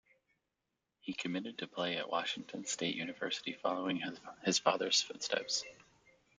He committed to play at Washington State University, following his father's footsteps.